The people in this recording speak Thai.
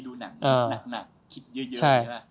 ดูหนังหนักคิดเยอะ